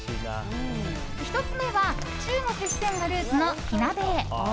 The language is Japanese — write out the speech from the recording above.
１つ目は、中国・四川がルーツの火鍋。